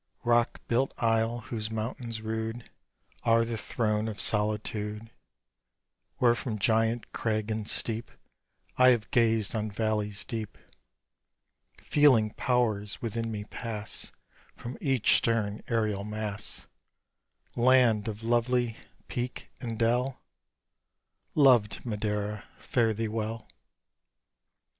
Rock built isle, whose mountains rude, Are the throne of solitude; Where from giant crag and steep I have gazed on valleys deep, Feeling powers within me pass From each stern aerial mass; Land of lovely peak and dell, Loved Madeira, fare thee well.